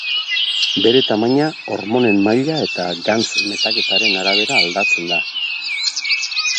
Bere tamaina hormonen-maila eta gantz-metaketaren arabera aldatzen da.